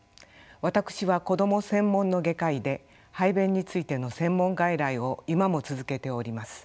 私は子ども専門の外科医で排便についての専門外来を今も続けております。